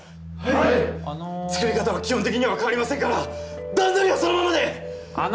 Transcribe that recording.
あの作り方は基本的には変わりません段取りはそのままであの！